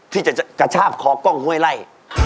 ที่จะกระชากคอกล้องห้วยไล่